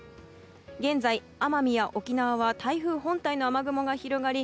現在、奄美や沖縄は台風本体の雨雲が広がり